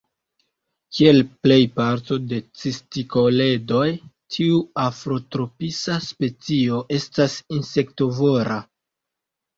Kiel plej parto de cistikoledoj, tiu afrotropisa specio estas insektovora.